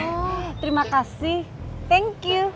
oh terima kasih thank you